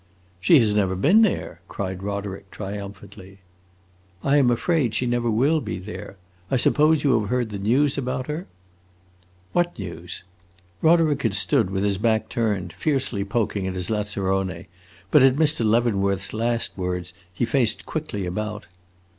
"She has never been there!" cried Roderick, triumphantly. "I 'm afraid she never will be there. I suppose you have heard the news about her." "What news?" Roderick had stood with his back turned, fiercely poking at his lazzarone; but at Mr. Leavenworth's last words he faced quickly about.